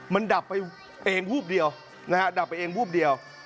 มันดับไปเองภูมิเดียวดับไปเองภูมิเดียว